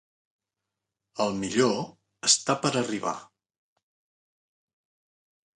El millor està per arribar.